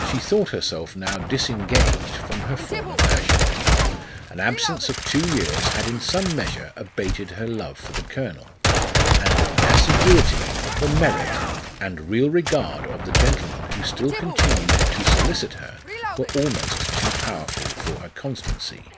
She thought herself now disengaged from her former passion. An absence of two years had in some measure abated her love for the colonel ; and the assiduity, the merit, and real regard of the gentleman who still continued to solicit her, were almost too powerful for her constancy.